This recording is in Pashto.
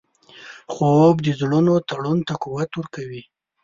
خوب د زړونو تړون ته قوت ورکوي